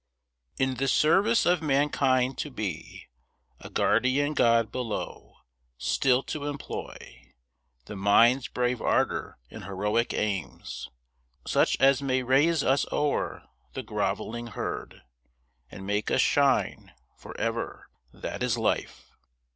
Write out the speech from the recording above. In the service of mankind to be A guardian god below; still to employ The mind's brave ardor in heroic aims, Such as may raise us o'er the grovelling herd, And make us shine for ever that is life.